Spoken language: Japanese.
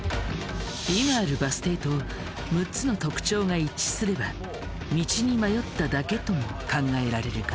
今あるバス停と６つの特徴が一致すれば道に迷っただけとも考えられるが。